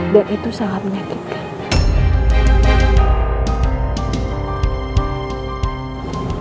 dan itu sangat menyakitkan